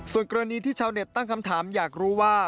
ส่วนกรณีที่ชาวเน็ตตั้งคำถามอยากรู้ว่า